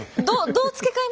どう付け替えます？